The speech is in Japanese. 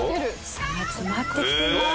さあ詰まってきています。